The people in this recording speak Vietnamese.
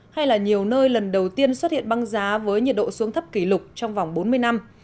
hay là nhiều nơi lần đầu tiên xuất hiện băng giá với nhiệt độ xuống thấp kỷ lục trong vòng bốn mươi năm